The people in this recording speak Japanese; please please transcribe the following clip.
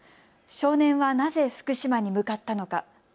少年はなぜ福島に向かったのか。